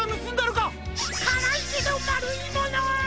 からいけどまるいもの！